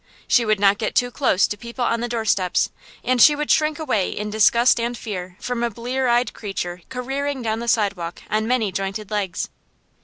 She would not get too close to people on the doorsteps, and she would shrink away in disgust and fear from a blear eyed creature careering down the sidewalk on many jointed legs.